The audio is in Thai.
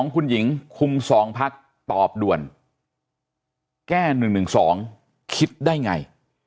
คุณหญิงคุม๒พักตอบด่วนแก้๑๑๒คิดได้ไง